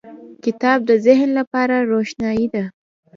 • کتاب د ذهن لپاره روښنایي ده.